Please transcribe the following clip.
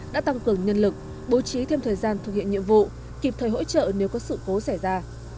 đã tăng cường nhân lực bố trí thêm thời gian thực hiện nhiệm vụ kịp thời hỗ trợ nếu có sự cố xảy ra